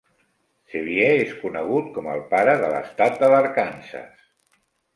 Sevier és conegut com el "Pare de l'Estat de l'Arkansas".